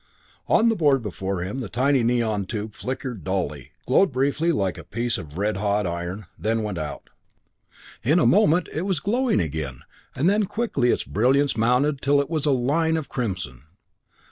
On the board before him the tiny neon tube flickered dully, glowed briefly like a piece of red hot iron, then went out. In a moment it was glowing again, and then quickly its brilliance mounted till it was a line of crimson.